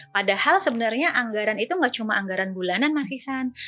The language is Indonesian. padahal sebenarnya anggaran itu nggak cuma anggaran bulanan mas isan